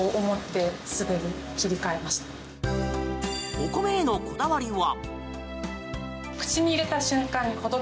お米へのこだわりは。